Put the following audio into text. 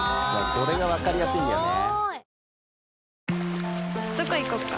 これがわかりやすいんだよね。